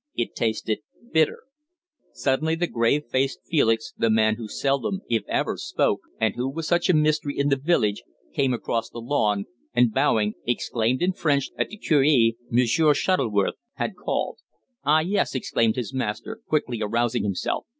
It tasted bitter. Suddenly the grave faced Felix, the man who seldom, if ever, spoke, and who was such a mystery in the village, came across the lawn, and, bowing, exclaimed in French that the curé, M'sieur Shuttleworth, had called. "Ah! yes," exclaimed his master, quickly arousing himself.